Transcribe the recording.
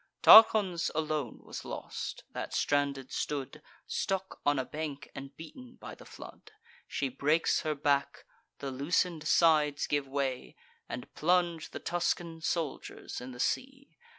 Tarchon's alone was lost, that stranded stood, Stuck on a bank, and beaten by the flood: She breaks her back; the loosen'd sides give way, And plunge the Tuscan soldiers in the sea.